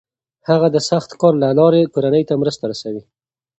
هغه د سخت کار له لارې کورنۍ ته مرسته رسوي.